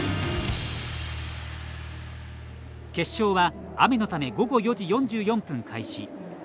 決勝は、雨のため午後４時４４分開始。